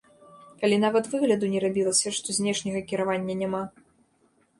Калі нават выгляду не рабілася, што знешняга кіравання няма!